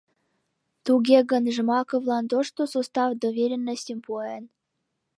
— Туге гын Жмаковлан тошто состав доверенностьым пуэн?